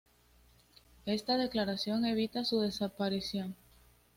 Esta declaración evita su "desaparición".